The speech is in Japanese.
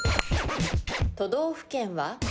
都道府県は？